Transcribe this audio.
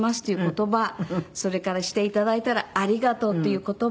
それからしていただいたら「ありがとう」という言葉。